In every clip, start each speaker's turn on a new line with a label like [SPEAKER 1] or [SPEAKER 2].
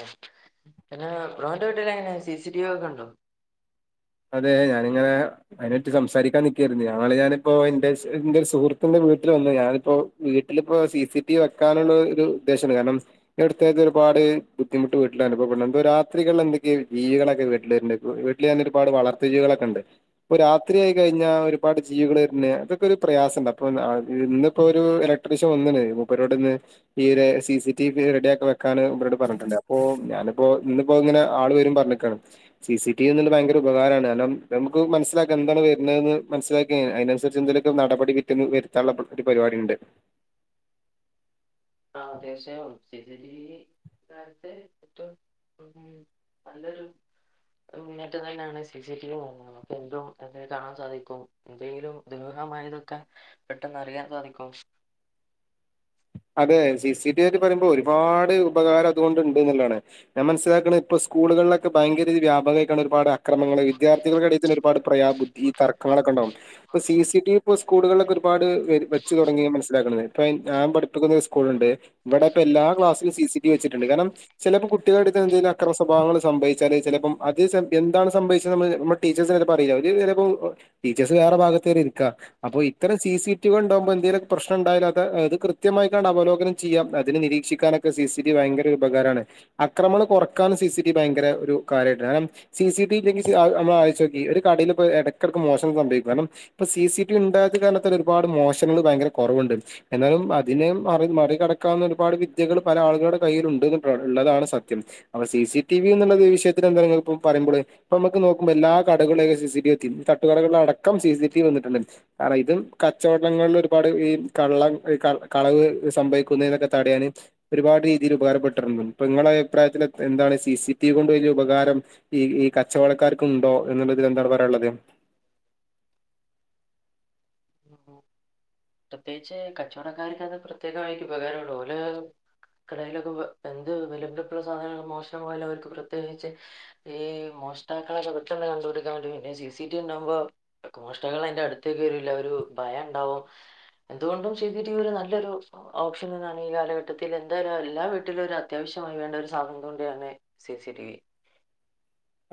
[SPEAKER 1] [unintelligible] പിന്നെ ബ്രോന്റെ വീട്ടിലങ്ങനെ CC TV ഒക്കെ ഉണ്ടോ
[SPEAKER 2] അതെ ഞാനിങ്ങനെ അതിനെപറ്റി സംസാരിക്കാൻ നിക്കായിരുന്നു ഇന്നാളി ഞാനിപ്പോ എന്റെ എന്റെ ഒരു സുഹൃത്തിന്റെ വീട്ടില് വന്ന ഞാനിപ്പോ വീട്ടിലിപ്പോ സി സി ടിവി വെക്കാനുള്ള ഒരു ഉദ്ദേശണ്ട് കാരണം ഈ അടുത്ത കാലത്ത് ഒരുപാട് ബുദ്ധിമുട്ട് വീട്ടിൽ അനുഭവപ്പെടണ്ട് എന്തോ രാത്രികൾ എന്തൊക്കെയ ജീവികളൊക്കെ വീട്ടില വരണണ്ട് വീട്ടിൽ തന്നെ ഒരുപാട് വളർത്ത് ജീവികളൊക്കെ ഉണ്ട് ഇപ്പൊ രാത്രിയായി കഴിഞ്ഞാ ഒരുപാട് ജീവികൾ വര്ന് അതൊക്കെ ഒരു പ്രയാസണ്ട് അപ്പൊ ഇന്നിപ്പോ ഒരു ഇല ക്ട്രീഷന് വന്ന്നേ മൂപ്പരോട്ന്ന് ഈ ഒരു സി സി ടിവി റെഡിയാക്കി വെക്കാന് മൂപ്പരോട് പറഞ്ഞിട്ടുണ്ട് അപ്പോ ഞാനിപ്പോ ഇന്ന് ഇപ്പങ്ങനെ ആള് വെരും പർഞ്ഞ്ക്കാണ് സി സി ടി വി ഇന്ന് ഭയങ്കര ഉപകാരാണ് നമുക്ക് മനസ്സിലാക്കാ എന്താണ് വരുന്നതെന്ന് മനസിലാക്കിയ അയിനനുസരിച്ച് എന്തെലൊക്കെ നടപടി വരുത്താനുള്ള ഒരു പരിപാടി ഉണ്ട്
[SPEAKER 1] ആഹ് തീർച്ചയായും സി സി ടി വി [unintelligible] നല്ലൊരു അഹ് മുന്നേറ്റം തന്നാണ് സി സി ടി വി വാങ്ങണം ഇപ്പെന്തും [unintelligible] കാണാൻ സാധിക്കും എന്തെങ്കിലും ദുരൂഹമായതൊക്കെ പെട്ടെന്ന് അറിയാൻ സാധിക്കും
[SPEAKER 2] അതെ സി സി ടി വിയക്കെ പറിയ്മ്പോ ഒരുപാട് ഉപകാരം അതുകൊണ്ട് ഉണ്ട്ന്ന്ള്ളതാണ് ഞാൻ മന്സിലാക്ക്ണെ ഇപ്പോ സ്കൂളുകള്ലൊക്കെ ഭയങ്കരതി വ്യാപകായിക്കാണ് ഒരുപാട് അക്രമങ്ങള് വിദ്യാർഥികളുടെ എടേത്തന്നൊരു പാട് പ്രയാ ബുദ്ധി തർക്കങ്ങളൊക്കെണ്ടാവും ഇപ്പ സി സി ടി വിപ്പോ സ്കൂളുകള്ലൊക്കെ ഒരുപാട് വെര് വെച്ച് തൊടങ്ങി മനസിലാക്ക്ണമാരുന്ന് ഇപ്പ അയിന് ഞാൻ പഠി ട്ടുക്കുന്ന സ്കൂള്ണ്ട് ഇവടെപ്പോ എല്ലാ ക്ലാസിലും സി സി ടി വി വച്ചിട്ടുണ്ട് കാരണം ചെലെപ്പം കുട്ടികളുടേട്ത്ത് എന്തേലും അക്രമ സ്വഭാവങ്ങൾ സംഭവിച്ചാല് ചെലപ്പം അത്ച്ചാ എന്താണ് സംഭവിച്ചതന്ന് നമ്മ ടീച്ചേഴ്സ് വരെ ഇപ്പറീല ഓല് ചെലപ്പോ ഓഹ് ടീച്ചേഴ്സ് വേറെ ഭാഗത്ത്ല്ലെ ഇരിക്കാ അപ്പൊ ഇത്തരം സി സി ടി വിയള് ഇണ്ടാവുമ്പോ എന്തേലൊക്ക് പ്രശ്ന ഇണ്ടായാല് അത് അത് ക്യ ത്യമായിട്ടത് അവലോകനം ചെയ്യാം അതിന് നിരീക്ഷിക്കാനൊക്കെ സി സി ടി വി ഭയങ്കര ഒരു ഉപകാരാണ് അക്രമണം കൊറക്കാൻ സി സി ടി വി ഭയങ്കര ഒരു കാര്യായിട്ടാ കാരണം സി സി ടി വി ഇല്ലെങ്കി ഇജ്ജ് അഹ് ഞമ്മള് ആലോയ്ച്ചോക്കി ഒരു കടേലിപ്പം എടക്കെടക്ക് മോഷണം സംഭവിക്കും കാരണം ഇപ്പം സി സി ടി വി ഇണ്ടായത് കാരണത്താല് ഒരുപാട് മോഷണങ്ങള് ഭയങ്കര കൊറവ്ണ്ട് എന്നാലും അ തിനേം മറി മറികടക്കാവുന്ന ഒരുപാട് വിദ്യകൾ പല ആളുകളുടെ കയ്യിലുണ്ട്ന്ന്ട്ടോ ഉള്ളതാണ് സത്യം അപ്പോ സി സി ടി വി എന്നുള്ള വി വിഷയത്തില് എന്താണേപ്പം പറയ്മ്പള് ഇപ്പ അമ്മക്ക് നോക്കുമ്പേ എല്ലാ കടക്കുള്ളില് സി സി ടി വി എത്തി തട്ടുകടകള്ലടക്കം സി സി ടി വി വന്നിട്ടുണ്ട് ആടാ ഇതും കച്ചവടങ്ങള്ല് ഒരുപാട് ഈ കള്ളൻ ഏഹ് കള്ളൻ കളവ് ഏഹ് സംഭവിക്കുന്ന ഇതൊക്കെ തടയാന് ഒരുപാട് രീതീല് ഉപകാരപ്പെട്ടിര്ന്ന് ഇപ്പ ഇങ്ങളെ അയിപ്രായത്തില് എൻ എന്താണ് സി സി ടിവി കൊണ്ട് വല്ല്യ ഉപകാരം ഈ ഈ കച്ചവടക്കാർക്കുണ്ടോ എന്നുള്ളതി എന്താണ് പറയാന്ള്ളത്
[SPEAKER 1] [unintelligible] പ്രത്യേയിച്ച് കച്ചവടക്കാർക്കാത് പ്രത്യേകമായിട്ട് ഉപകാരള്ളു ഓല് ക കടേലൊക്കപ്പൊ എന്ത് വില പിടിപ്പുള്ള സാധനങ്ങൾ മോഷണം പോയാലും അവര്ക്ക് പ്രത്യേകിച്ച് ഈ മോഷ്ടാക്കളൊക്കെ പെട്ടന്ന് കണ്ട്പിടിക്കാ വേണ്ടി പിന്നെ സി സി ടി വി ഇണ്ടാവുമ്പോ [unintelligible] മോഷ്ടാക്കള് അയ്ന്റെ അടുത്തേക് വെരൂല്ല ഒരു ഭയണ്ടാവും എന്തുകൊണ്ടും സി സി ടി വി ഒരു നല്ലൊരു ഓ ഓപ്ഷനലാണ് ഈ കാലഘട്ടത്തി എന്തായാലും എല്ലാ വീട്ടിലൊരു അ ത്യാവശ്യമായി വേണ്ട ഒരു സാധനം [unintelligible] സി സി ടി വി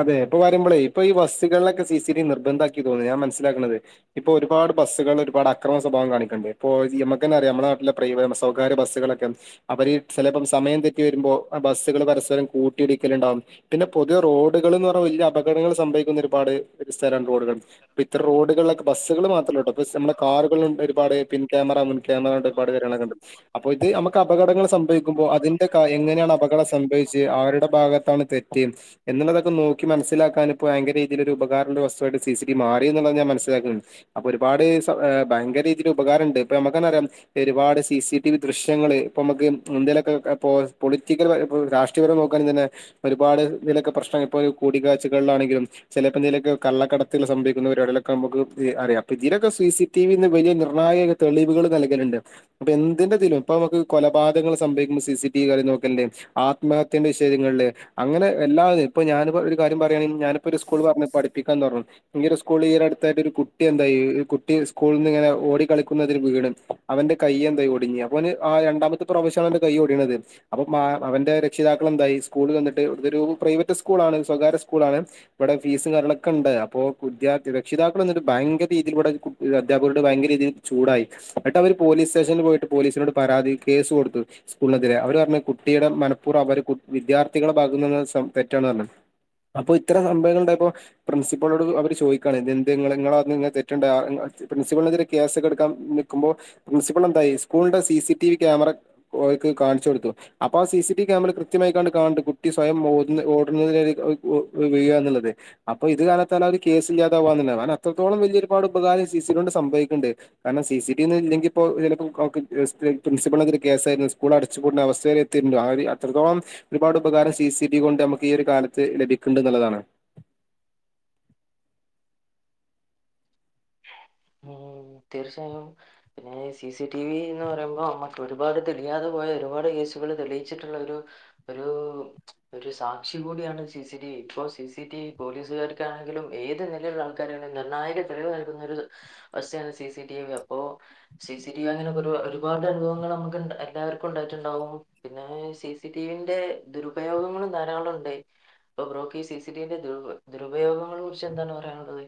[SPEAKER 2] അതെ ഇപ്പള് പറിയ്മ്പളേ ഇപ്പ ഈ ബസ്കള്ലൊക്കെ സി സി ടി വി നിർബന്ധാക്കി തോന്ന്ന്ന് ഞാൻ മന്സ്സിലാക്ക്ണത് ഇപ്പൊ ഒരുപാട് ബസ്സുകള്ല് ഒരുപാട് അക്രമ സ്വഭാവം കാണിക്ക്ണ്ട് ഇപ്പോ [unintelligible] ഞമ്മക്കന്നെറിയാം നമ്മളെ നട്ടിലെ പ്രൈ ബസ്സോ വേറെ ബസ്സ്കളൊക്കെ അവര് ചെലപ്പോം സമയം തെറ്റി വരുമ്പോൾ ബസ്സുകള് പരസ്പരം കൂട്ടി ഇടിക്കല്ണ്ടാവും പിന്നെ പൊതുവേ റോഡുകള്ന്നറഞ്ഞാ വല്ല്യ അപകടങ്ങൾ സംഭവിക്കുന്ന ഒരുപാട് സ്ഥലം റോഡുകൾ അപ്പ ഇത്തരം റോഡുകള്ലൊക്കെ ബസ്സുകള് മാത്രല്ലട്ടോ ബസ്സ് അമ്മടെ കാർകള്ല്ണ്ട് ഒരുപാട് പിൻ ക്യാമറ മുൻ ക്യാമറ ഒരുപാട് വെര്ണക്കണ്ട് അപ്പോ ഇത് അമ്മക്ക് അപകടങ്ങള് സംഭവിക്കുമ്പോ അതിന്റെ കാ എങ്ങനെയാണ് അപകടം സംഭവിച്ചെ
[SPEAKER 1] വി
[SPEAKER 2] ആരുടെ ഭാഗത്താണ് തെറ്റ് എന്നുള്ളതൊ ക്കെ നോക്കി മന്സ്സിലാക്കാന് ഇപ്പോ ഭയങ്കര രീതിയിലൊരു ഉപകാര്ണ വസ്തുവായിട്ട് സി സി ടി വി മാറിന്നുള്ളത് ഞാൻ മന്സിലാക്കി അപ്പൊ ഒരുപാട് സ ഏഹ് ഭയങ്കര രീതീല് ഉപകാരണ്ട് ഇപ്പ ഞമ്മക്കന്നെറിയാ എരുപാട് സി സി ടി വി ദൃശ്യങ്ങള് ഇപ്പൊ അമ്മക്ക് ഉം ഇന്ത്യയിലൊക്കെ ഏഹ് പോ പൊളിറ്റിക്കല് പര ഇപ്പം രാഷ് റ്റുവരവ് നോക്കാന് തന്നെ ഒരുപാട് ഇതിലൊക്കെ പ്രശ്നങ്ങൾ ഇപ്പ അഹ് കൂടികാഴ്ചകളിലാണെങ്കിലും ചെലേപ്പം എന്തെങ്കിലൊക്കെ കള്ളകടത്ത്ല്ലെ സംഭവിക്ക്ന്ന പരിവാടിളൊക്കെ അമ്മക്ക് ഏഹ് അറിയാ അപ്പ ഇതിനൊക്കെ സി സി ടി വിന്ന് വലിയ നിർണായക തെളിവുകള് നല്കല്ണ്ട് അപ്പ എന്തിന്റെതിലും ഇപ്പൊ അമ്മക്ക് കൊലപാതകങ്ങള് സംഭവിക്കുമ്പോ സി സ ടി വി കാര്യം നോക്കല്ണ്ട് ആത്മഹത്യന്റെ വിഷേയങ്ങള്ല് അങ്ങനെ എല്ലാതിന് ഇപ്പ ഞാന്പ്പം ഒരു കാര്യം പറയാണെങ്കി ഞാനിപ്പോ ഒരു സ്കൂള് പർഞ്ഞ് പഠിപ്പിക്കാൻ തൊടർ ഈ ഒരു സ്കൂൾ ഈ അടുത്തായിട്ടൊരു കുട്ടി എന്തായി ഈ കുട്ടി സ്കൂളിന്നിങ്ങനെ ഓടി കളിക്കുന്നതിനിടെ വീണ് അവന്റെ കയ്യെന്തായി ഒടിഞ്ഞ് അപ്പൊ അവന് ആ രണ്ടാമത്തെ പ്രാവശ്യാണ് അവന്റെ കൈ ഓടിയണത് അപ്പൊ മാ അവന്റെ രക്ഷിതാക്കളെന്തായി സ്കൂളിൽ വന്നിട്ട് ഇതൊരു പ്രൈവറ്റ് സ്കൂളാണ് സ്വകാര്യ സ്കൂളാണ് ഇവിടെ ഫീസും കാര്യങ്ങളൊക്കെണ്ട് അപ്പോ വിദ്യർത്ഥി രക്ഷിതാക്കൾ വന്നിട്ട് ഭയങ്കരീതിയിൽ പോയിട്ട് കു അധ്യാപകരോട് ഭയങ്കര രീതിയിൽ ചൂടായി അന്ട്ടവര് പോലീസ്റ്റേഷനിൽ പോയിട്ട് പോലീസിനോട് പരാതി കേസ് കൊടുത്ത് സ്കൂളിനെതിരെ അവര് പറഞ്ഞ് കുട്ടിയുടെ മനഃപ്പൂർവ അവര് വിദ്യാർത്ഥികളെ ഭാഗുത്തു നിന്നുള്ള തെറ്റാന്ന് പറഞ്ഞു അപ്പൊ ഇത്ര സംഭവങ്ങൾ ഉണ്ടായപ്പോ പ്രിൻസിപ്പളോട് അവര് ചോദിക്കാണ് ഇതെന്തേങ്ങളെ ങ്ങളെ ഭാഗത്ത് തെറ്റുണ്ടെ ആ പ്രിൻസിപ്പിളിനെതിരെ കേസെക്കെടുക്കാൻ നിക്കുമ്പോ പ്രിൻസിപ്പാൾ എന്തായി സ്കൂളിന്റെ സിസിടി വി ക്യാമറ ഓലിക്ക് കാണിച്ചു കൊടുത്തു അപ്പൊ ആ സിസി ടിവി ക്യാമറയിൽ കൃത്യമായി കണ്ട് കാണ്ട് കുട്ടി സ്വയം മൊ ഓടുന്നേ വി വിയാന്നുള്ളത് അപ്പൊ ഇത് കാരലത്താലാ അവര് കേസില്ലാതാവാന്നള്ളാണ് അത്രത്തോളം വലിയ ഒരുപാട് ഉപകാരം ഈ സി സി നോട്‌ സംഭവിക്ക്ണ്ട് കാരണം സി സി ടിയൊന്നും ഇല്ലെങ്കിലിപ്പോ ചെലപ്പോ ആക്ക് പ്രിൻസിപ്പളിനെതിരെ കേസായിരുന്നു സ്കൂൾ അടച്ചുപൂട്ടുന്ന അവസ്തേനു അത്രത്തോളം ഒരുപാട് ഉപകാരം സി സിടിവി കൊണ്ട് നമുക്ക് ഈ ഒരു കാലത്ത് ലഭിക്ക്ണ്ട് എന്നുള്ളതാണ്
[SPEAKER 1] ഓ തീർച്ചയായും പിന്നെ സി സി ടി വി എന്ന് പറയുമ്പോ നമ്മക്കൊരുപാട് തെളിയാതെ പോയ ഒരുപാട് കേസുകൾ തെളിയിച്ചിട്ട്ള്ള ഒരു ഒരു ഒരു സാക്ഷി കൂടിയാണ് സി സിടിവി ഇപ്പോ സി സിടിവി പോലീസുകാരും ക്കാണെങ്കിലും ഏത് നെലയുള്ള ആൾക്കാരെയും നിർണായക തെളിവ് [unintelligible] ഒരു അവസ്ഥയാണ് സി സിടി വി അപ്പോ സി സി ടി വി അങ്ങനെ ഒരുപാട് അനുഭവങ്ങൾ മ്മക്ക് ണ്ടാ എല്ലാർക്കും ഉണ്ടായിട്ടുണ്ടാവും പിന്നെ സിസി ടിവിന്റെ ദുരുപയോഗങ്ങളും ധാരാളം ഒണ്ട് ഇപ്പൊ ബ്രോക്ക് സി സി ടിവിന്റെ ദുരുപ ദുരുപയോഗങ്ങളെ കുറിച്ച് എന്താണ് പറയാനുള്ളത്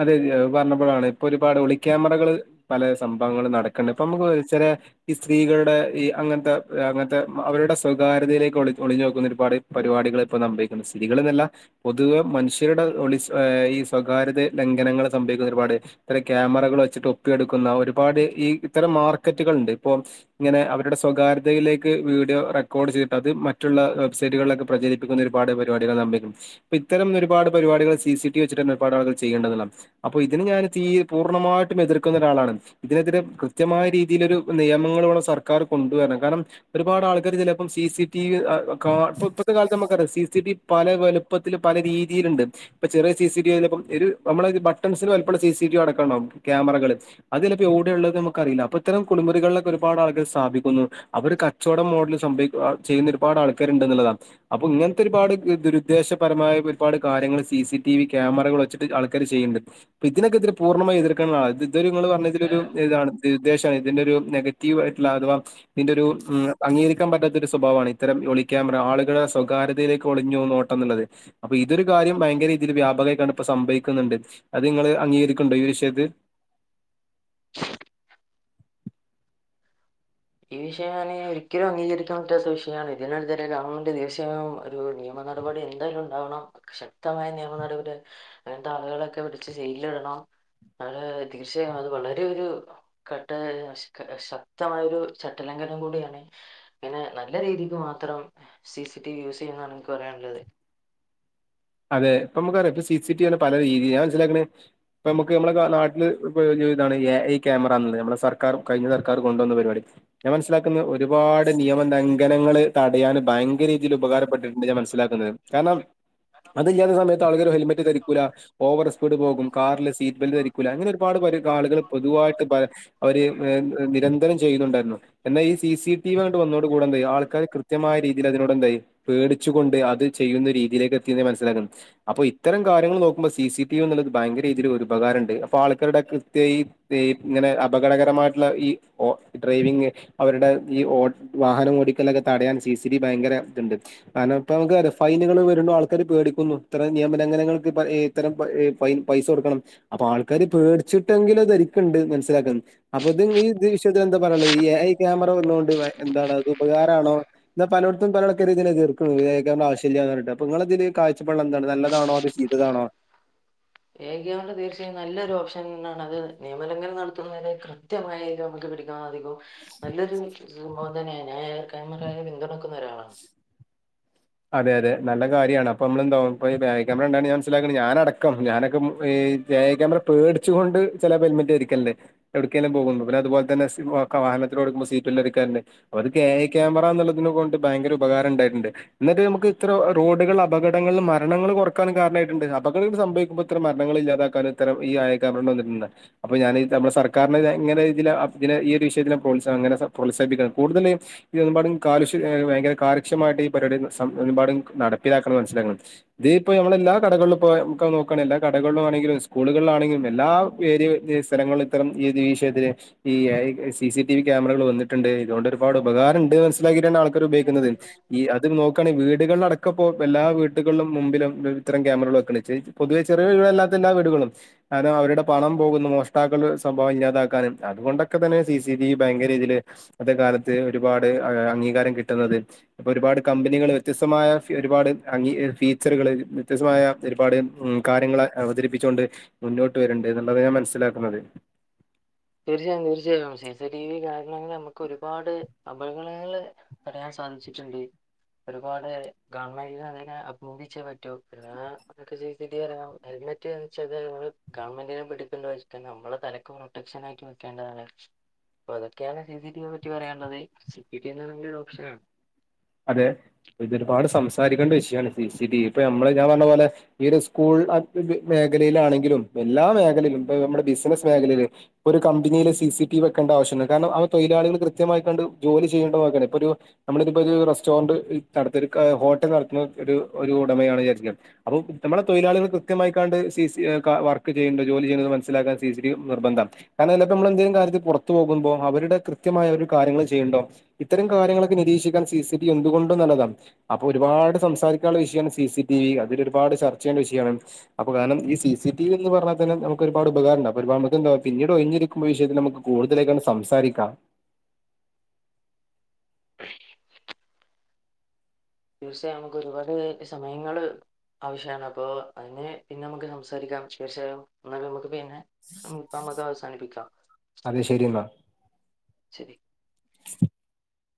[SPEAKER 2] അതെതെ അത് പറഞ്ഞപ്പോളാണ് ഇപ്പൊ ഒരുപാട് ഒളിക്യാമറകള് പലേ സംഭവങ്ങൾ നടക്കണ്ട് ഇപ്പൊ നമുക്ക് ചെല ഈ സ്ത്രീകളുടെ ഈ അങ്ങനത്തെ അങ്ങനത്തെ അവരുടെ സ്വകാര്യതയിലേക്ക് ഒിളി ഒളിഞ്ഞു നോക്കുന്ന ഒരുപാട് പരിപാടികൾ ഇപ്പ സംഭവിക്കുന്നു സ്ത്രീകളെന്നല്ല പൊതുവെ മനുഷ്യരുടെ ഒളി ഈ സ്വകാര്യത ലംഘനങ്ങള് സംഭവിക്കുന്ന ഒരുപാട് ഇത്തരം ക്യാമറകൾ വെച്ചിട്ട് ഒപ്പിയെടുക്കുന്ന ഒരുപാട് ഈ ഇത്തരം മാർക്കറ്റുകളുണ്ട് ഇപ്പൊ ഇങ്ങനെ അവരുടെ സ്വകാര്യതയിലേക്ക് വീഡിയോ റെക്കോഡ് ചെയ്തട്ട് അത് മറ്റുള്ള വെബ്സൈറ്റുകളിലൊക്കെ പ്രചരി പ്പിക്കുന്ന ഒരുപാട് പരിപാടികൾ സംഭവിക്കുന്നു ഇപ്പൊ ഇത്തരം ഒരുപാട് പരിപാടികൾ സി സി ടി വി വെച്ചിട്ടെന്നെ ഒരുപാട് ആളുകൾ ചെയ്യേണ്ടതള്ളാണ് അപ്പൊ ഇതിന് ഞാൻ തീ പൂർണ്ണമായിട്ടും എതിർക്കുന്ന ഒരാളാണ് ഇതിനെതിരെ കൃത്യമായ രീതിയിലൊരു നിയമങ്ങള് ഇവടെ സർക്കാർ കൊണ്ടുവരണം കാരണം ഒരുപാട് ആൾക്കാര് ഇതിനൊപ്പോം സി സി ടി വി അ കാ ഇപ്പത്തെ കാലത്ത് നമുക്കറിയാം സി സി ടി വി പല വലുപ്പത്തിലും പല രീതിയില്ണ്ട് ഇപ്പൊ ചെറിയ സി സി ടി വി യില് ഇപ്പം ഒരു നമ്മള ബട്ടൺസിന് വലപ്പള്ള സി സി ടി വി അടക്കണ്ടാവും ക്യാമറകള് അത് എലപ്പേ എവ്ടയ്ള്ളത് നമക്കറിയില്ല അപ്പൊ ഇത്തരം കുളിമുറികളിലൊക്കെ ഒരുപാട് ആൾക്ക് സ്ഥാപിക്കുന്നു അവര് കച്ചോടം മോഡൽ സംഭവിക്ക ചെയ്യുന്ന ഒരുപാട് ആൾക്കാരുണ്ട്ന്ന്ള്ളതാണ് അപ്പൊ ഇങ്ങനത്തെ ഒരുപാട് ദുരുദ്ദേശപരമായ ഒരുപാട് കാര്യങ്ങൾ സിസി ടിവി ക്യാമറകൾ വെച്ച് ഇത് ആൾക്കാര് ചെയ്യ്ണ്ട് പ്പ ഇതിനൊക്കെതിരെ പൂർണ്ണമായി എതിർക്കേണ്ടതാ ഇത് ഇത്വരെ ഇങ്ങൾ പറഞ്ഞതില് ഒരു ഇതാണ് ദുരുദ്ദേശമാ ഇതിന്റെ ഒരു നെഗറ്റീവ് ആയിട്ടുള്ള അഥവാ ഇതിന്റെ ഒരു അംഗീകരിക്കാൻ പറ്റാത്ത ഒരു സ്വഭാവാണ് ഇത്തരം ഒളി ക്യാമറ ആളുകളെ സ്വകാര്യതയിലേക്ക് ഒളിഞ്ഞു നോ ട്ടംന്ന്ള്ളത് അപ്പ ഇതൊരു കാര്യം ഭയങ്കരീതിൽ വ്യാപകയിട്ടാണ് ഇപ്പൊ സംഭവിക്കുന്നുണ്ട് അത് നിങ്ങള് അംഗീകരിക്ക്ണ്ടോ ഈ വിഷയത്ത്
[SPEAKER 1] ഈ വിഷയം പറഞ്ഞയ്ഞ്ഞ ഒരിക്കലും അഗീകരിക്കാൻ പറ്റാത്ത വിഷയാണ് ഇതിനെതിരെ ഗവൺമെന്റ് തീർച്ചയും ഒരു നിയമ നടപടി എന്തായാലും ഇണ്ടാവണം ശക്തമായ നിയമ നടപടി അങ്ങനത്തെ ആളുകളൊക്കെ പിടിച്ച് ചെയിലിടണം നള് തീർച്ചയായും അത് വളരെ ഒരു ഘട്ട അസ് ശക്തമായൊ ഒരു ചട്ടലംഘനം കൂടിയാണ് അങ്ങനെ നല്ല രീതിൽ മാത്രം സിസി ടിവി യൂസ് ചെയ്യന്നാണ് എനിക്ക് പറയാനുള്ളത്
[SPEAKER 2] അതെ ഇപ്പൊ നമ്മുക്കറിയ ഇപ്പ സി സ ടി വിയണ് പല രീതി ഞാൻ മനസിലാക്ണ് ഇപ്പൊ നമുക്ക് നമ്മള നാട്ടില് വല്ല ഇതാണ് എ ഐ ക്യാമറ എന്നത് നമ്മളെ സർക്കാർ കഴിഞ്ഞ സർക്കാർ കൊണ്ടുവന്ന പരിപാടി ഞാൻ മനസ്സിലാക്കുന്ന ഒരുപാട് നിയമ ലംഘനങ്ങള് തടയാൻ ഭയങ്കര രീതിയിൽ ഉപകാരപ്പെട്ടിട്ടുണ്ട് ഞാൻ മനസിലാക്കുന്നത് കാരണം അതില്ലാത്ത സമയത്ത് ആളുകൾ ഹെൽമെറ്റ് ധരിക്കൂല്ല ഓവർ സ്പീഡ് പോകും കാറിലെ സീറ്റ് ബെൽറ്റ് ധരിക്കൂല അങ്ങനെ ഒരുപാട് ആളുകൾ പൊതുവായിട്ട് ബ അവര് ഹെ നിരന്തരം ചെയ്യുന്നുണ്ടായിരുന്നു എന്നാ ഈ സി സി ടി വി അങ്ങട്ട് വന്നതോട് കൂടന്തയ ആൾ ക്കാർ കൃത്യമായ രീതിയിൽ അതിനോടന്തായി പേടിച്ചുകൊണ്ട് അത് ചെയ്യുന്ന രീതിയിലേക്ക് എത്തിന് മനസ്സിലാക്കൻ അപ്പൊ ഇത്തരം കാര്യങ്ങള് നോക്കുമ്പോ സി സി ടി വി എന്നുള്ളത് ഭയങ്കര രീതിയിൽ ഒരു ഉപകാര ഇണ്ട് അപ്പൊ ആൾക്കാരുടെ കൃത്യഈ ഇപ്പ ഈ ഇങ്ങനെ അപകടകരമായിട്ടുള്ള ഈ ഡ്രൈവിങ് അവരുടെ ഈ ഓ വാഹനം ഓടിക്കലൊക്കെ തടയാൻ സി സി ഡി ഭയങ്കര ഇതുണ്ട് കാരണം അപ്പ നമുക്ക് ഫൈനുകൾ വരുബോ ആൾക്ക ക്കർ പേടിക്കുന്നു ഇത്തം നിയമന ലംഘനങ്ങൾക്ക് ഇത്തരം ഹെ പയ് പൈസ കൊടുക്കണം അപ്പൊ ആൾക്കാര് പേടിച്ചിട്ടെങ്കിലും ധരിക്കുണ്ട് മനസ്സിലാക്കാൻ അപ്പൊ ഇത് ഇത് ഈ വിഷയത്തിന് എന്താ പറയാനുള്ളത് ഈ എ ഐ ക്യാമറ വന്നതൊണ്ട് എന്താണോ അത് ഉപകാരമാണോ ന്നാ പലെട്ത്തും പലൊഅൾക്കാർ ഇതിന് എതിർകുന്നു ഏഐ കെമാരന്റെ ആവശ്യില്ലന്ന്ഞ്ഞർന്നിട്ട് അപ്പ നിങ്ങള് അതില് കാഴ്ചപ്പള്ളം എന്താണ് നല്ലതാണോ അത് ശീതാതാണോ
[SPEAKER 1] ഏക തീർച്ചയായും നല്ലൊരു ഓപ്ഷൻാണ് അത് നിയമലംഘനം നടത്തുന്നതിനെ കൃത്യമായി നമുക്ക് പിടിക്കാൻ അധികം നല്ലൊരു [unintelligible] ഞാൻ പിന്തുണക്കുന്ന ഒരാളാണ്
[SPEAKER 2] അതെ അതെ നല്ല കാര്യണ് അപ്പൊ നമ്മള് ന്താവും ബാക് കേമറ ഉണ്ടായാധൊണ്ട് മനസിലാക്കണ് ഞാനടക്കം ഞാനൊക്കെ ഹെ ഏ ഐ ക്യാമറ പേടിച് കൊണ്ട് ചിലപ്പോ ഹെൽമെറ്റ് ധരിക്കല്ണ്ടേ എടുക്കേലും പോകുന്നു പിന്ന അതുപലെ തന്നെ സ്‌ വാഹനത്തിലോടുക്ക്പോ സീറ്റ്ല്ലാം എടുക്കാണ്ട് അവർക് ഏ ഐ ക്യാമറ എന്നുള്ളതിനെ കൊണ്ട് ഭയങ്കര ഉപകാരം ഉണ്ടായിട്ടുണ്ട് എന്നിട്ട് നമുക്ക് ഇത്ര റോഡുകൾ അപകടങ്ങൾ മരണങ്ങൾ കുറക്കാനും കാരണമായിട്ടുണ്ട് അപകടങ്ങൾ സംഭവിക്കുമ്പോ ഇത്ര മരണങ്ങൾ ഇല്ലാതാക്കും ഇത്തരം ഈ ഏ ഐ കേമറ കൊണ്ട് വന്നിട്ടുണ്ട് അപ്പൊ ഞാൻ ത് നമ്മുടെ സർക്കാരിന എങ്ങനെ ഇതിൽ ഈ ഒരു വിഷയത്തില പ്രോത്സനെ പ്രോത്സാഹിക്കണം കൂടുതലും ഈ ഇന്ന് ഒന്നുപാടിം കാ [unintelligible] ഹെ ഭയങ്കര കാര്യക്ഷ്യമായിട്ട് ഈ പരിപാടിമ്പാടും നടപ്പിലാക്കെന്ന് മനസ്സിലാക്കണം ഇതി ഇപ്പോ നമ്മളെല്ല കടകളിലും നമുക്കാ നോക്കണങ്കിൽ എല്ലാ കടകളില ആണെങ്കിലുംകൂളുകളിലാണെങ്കിലും എല്ലാ വേരി [unintelligible] ഇത്തരങ്ങൾ ഇത്തരം ഈത് ഈ വിസയത്തിൽ ഈ A I C C T V ക്യാമറകൾ വന്നിട്ടുണ്ട് ഇതൊണ്ട് ഒരുപാട് ഉപകാരം ഇണ്ട് മനസിലാക്കിന്നെ ആൾക്ക ക്കാർ ഉപയോഗുന്നത് ഈ അത് നോ ക്കണങ്കിൽ വീടുകളിൽടക്കപ്പോ എല്ലാ വീടുകളിലും മുമ്പിലും ഇത്രം ക്യാമറകൾ വെക്ക [unintelligible] പൊതുവെ ചെറിയ വടുകളൾല്ലാത്തല്ലാ എല്ലാം വീടുകളും കാരണം അവരുടെ പണം പോകുന്നു മോഷ്ടാക്കൾ ഒരു സംഭവം ഇല്ലാതാക്കാനും അതുകൊണ്ടൊക്കെ തന്നെ സി സി ടി വി ഭയങ്കര രീതിയില് ഇപ്പത്തെ കാലത്ത് ഒരുപാട് ഹെ അംഗീകാരം കിട്ടുന്നത് അപ്പൊ ഒരുപാട് കമ്പ നികൾ വ്യത്യസ്തമായ ഫി ഒരുപാട് അങ്കി ഫീച്ചറുകൾ വ്യത്യസ്തമായ ഒരുപാട് ഉ കാര്യങ്ങളെ അവതരിപ്പിച്ചൊണ്ട് മുന്നോട്ട് വരുന്നുണ്ട് എന്നുള്ളത് ഞാൻ മനസ്സിലാക്കുന്നത്
[SPEAKER 1] തീർച്ചയായും തീർച്ചയായും സി സി ടി വി കാരണ നമുക്ക് ഒരുപാട് അപകടങ്ങൾ തടയാൻ സാധിച്ചിട്ടുണ്ട് ഒരുപാട് ഗവൺമെന്റിന് അതിനെ അഭിനന്ദിച്ചേ പറ്റോ പിന്നെ അതൊക്കെ ചെയ്തിട്ടെ ഹെൽമെറ്റ് എ വെച്ച് കഴിഞ്ഞ നമ്മള് ഗവൺമെന്റിനെ പിടിക്കോാ നമ്മള് തലക്കും പ്രക്ഷനയിട്ട് വെക്കേണ്ടതാണ് [unintelligible] അപ്പ അതോക്കെയാണ് സി സി ടി വിയെ പറ്റി പറയാനിള്ളത് സി സ ടി എന്ന് പറ ഒരു ഓപ്ഷനാണ്.
[SPEAKER 2] അതെ ഇതൊരുപാട് സംസാരിക്കണ്ട വിഷയമാണ് സി സി ടി വി ഇപ്പൊ ഞമ്മള് ഞാൻ പറഞ്ഞ പോലെ ഈ ഒരു സ്കൂൾ അൻ പിപെ മേഖലയിലാണെങ്കിലും എല്ലാ മേഖലയിലും ഇപ്പോ നമ്മടെ ബിസിനസ് മേഖലയില്, ഒരു കമ്പനിയിലെ സി സി ടി വെക്കണ്ട ആവശ്യുണ്ട് കാരണം അവ തൊഴിലാളികൾ കൃത്യമായി കണ്ട് ജോലി ചെയ്യേണ്ടത് നോക്കയാണ് ഇപ്പൊ ഒരു നമ്മള് ഇപ്പോന്നെ ഒരു റെസ്റ്റോറന്റ് നടത്തി എടുക്ക ഒരു ഹോട്ടൽ നടത്തുന്ന ഒരു ഒരു ഉടമയാണ് വിചാരിക്ക [unintelligible] അപ്പൊ നമ്മളെ തൊഴിലാളികൾ കൃത്യമായികാണ്ട് സി സി ക വർക്ക് ചെയ്യണ്ടോ ജോലി ചെയ്യണത് മനസ്സിലാക്കാൻ സി സി ടി നിർബന്ധ. കാരണം ചെലപ്പോ നമ്മളെന്തേം കാര്യത്തി പൊറത്തു പോകുമ്പോ അവരുടെ കൃത്യമായ ഒരു കാര്യങ്ങള് ചെയ്യണ്ടോ ഇത്തരം കാര്യങ്ങളൊക്കെ നിരീക്ഷിക്കാൻ സി സി ടി എന്തുകൊണ്ടും നല്ലതാണ്. അപ്പൊ ഒരുപാട് സംസാരിക്കാനുള്ള വിഷയമാണ് സി സി ടി വി അതിൽ ഒരുപാട് ചർച്ച ചെയ്യേണ്ട വിഷയമാണ്. അപ്പ കാരണം ഈി സി ടി വി എന്ന് പറഞ്ഞാത്തന്നെ നമുക്ക് ഒരുപാട് ഉപകാരിണ്ടാവും അ [unintelligible] ഒരു നമു എന്ത പിന്നീട് ഒഴിഞ്ഞൊരു വിഷയത്തില് നമുക്ക് കൂടുതലായിക്കാണ്ട് സംസാരിക്കാം.
[SPEAKER 1] അ തീർച്ചയായും നമുക്ക് ഒരുപാട് സമയങ്ങള് ആവശ്യാണ് അപ്പൊ അതിന് പിന്നെ നമുക്ക് സംസാരിക്കാം തീർച്ചയായും എന്നാല് നമുക്ക് പിന്നെ [unintelligible] നമ്മക്ക് അവസാനിപ്പിക്കാം.
[SPEAKER 2] അത് ശെരിന്നാ.
[SPEAKER 1] ശരി.